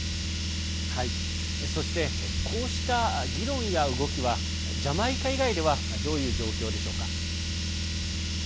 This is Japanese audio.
そしてこうした議論や動きはジャマイカ以外ではどういう状況でしょうか。